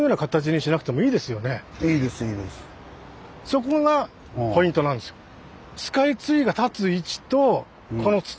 そこがポイントなんですよ。はあ？